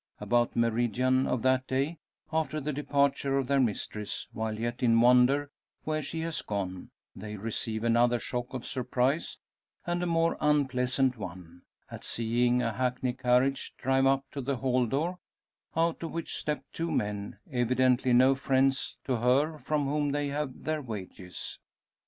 About meridian of that day, after the departure of their mistress, while yet in wonder where she has gone, they receive another shock of surprise, and a more unpleasant one, at seeing a hackney carriage drive up to the hall door, out of which step two men, evidently no friends to her from whom they have their wages.